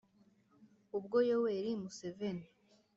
ubwo yoweri museveni